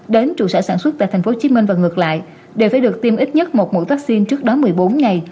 đến trụ sở sản xuất tại tp hcm và ngược lại đều phải được tiêm ít nhất một mũi vaccine trước đó một mươi bốn ngày